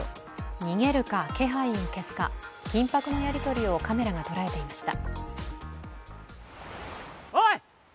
逃げるか、気配を消すか緊迫のやりとりをカメラが捉えていました。